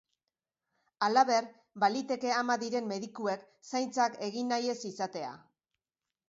Halaber, baliteke ama diren medikuek zaintzak egin nahi ez izatea.